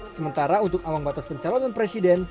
sementara untuk ambang batas pencalonan presiden